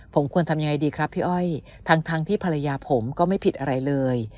ผมควรทำยังไงดีครับพี่อ้อยทั้งที่ภรรยาผมก็ไม่ผิดอะไรเลย